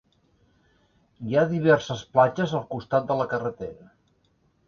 Hi ha diverses platges al costat de la carretera.